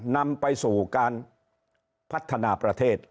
นำไปสู่การพัฒนาประเทศ